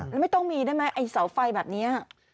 แล้วไม่ต้องมีได้ไหมไอ้เสาไฟแบบนี้